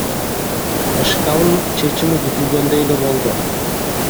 БШКнын чечими күтүлгөндөй эле болду.